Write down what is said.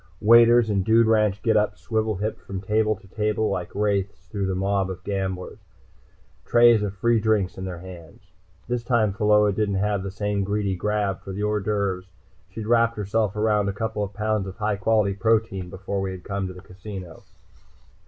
Waiters in dude ranch getups swivel hipped from table to table like wraithes through the mob of gamblers, trays of free drinks in their hands. This time Pheola didn't have the same greedy grab for the hors d'oeuvres. She'd wrapped herself around a couple pounds of high quality protein before we had come to the casino.